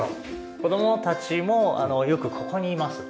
子供たちもよくここにいます。